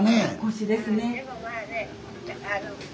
腰ですね。